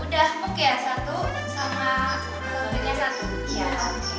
udah buk ya satu sama kebanyakan satu